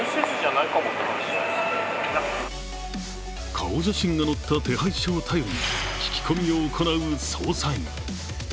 顔写真が載った手配書を頼りに聞き込みを行う捜査員。